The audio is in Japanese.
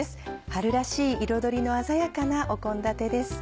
春らしい彩りの鮮やかなお献立です。